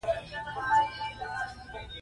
زما دغه خبرې ته عقل نه رسېږي